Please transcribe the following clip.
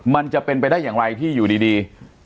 มันจะเป็นไปได้อย่างไรที่อยู่ดี